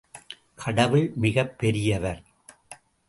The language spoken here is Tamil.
கடவுள் மிகப் பெரியவர்.